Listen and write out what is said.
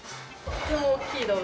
とても大きいカバ？